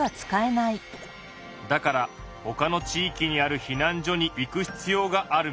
だからほかの地域にある避難所に行く必要があるみたいだな。